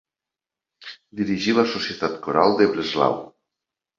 Dirigí la Societat Coral de Breslau.